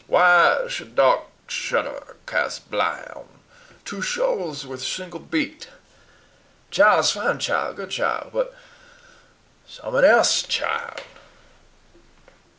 "Why should dark shed der cass bligh on two sholes with single beat? Chile's fine chile, good chile, but summonelse chile!